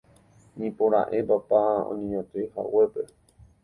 nipora'e papa oñeñotỹhaguépe